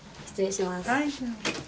失礼します。